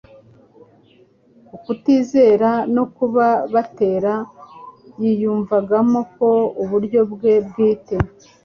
ukutizera no kuba batera. Yiyumvagamo ko uburyo bwe bwite